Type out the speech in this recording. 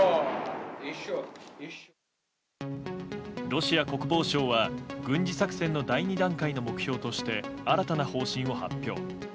ロシア国防省は軍事作戦の第２段階の目標として新たな方針を発表。